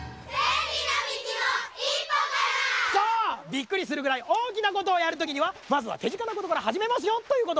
びっくりするぐらいおおきなことをやるときにはまずはてぢかなことからはじめますよということば。